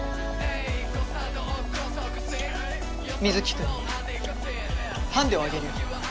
水城君ハンデをあげるよ。